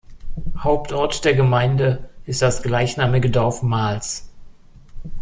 Hauptort der Gemeinde ist das gleichnamige Dorf Mals.